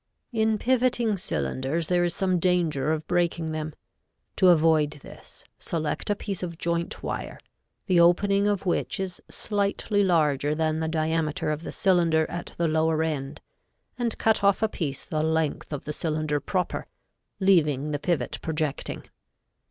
In pivoting cylinders there is some danger of breaking them. To avoid this, select a piece of joint wire, the opening of which is slightly larger than the diameter of the cylinder at the lower end, and cut off a piece the length of the cylinder proper, leaving the pivot projecting.